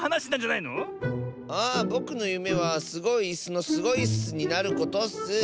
あぼくのゆめはスゴいいすの「スゴいっす」になることッス。